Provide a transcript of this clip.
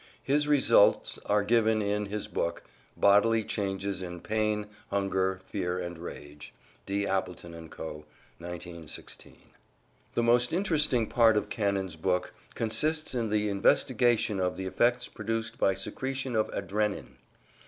His results are given in his book, "Bodily Changes in Pain, Hunger, Fear and Rage" (D. Appleton and Co., 1916). The most interesting part of Cannon's book consists in the investigation of the effects produced by secretion of adrenin.